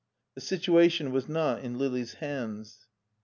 The situation was not in Lili's hands.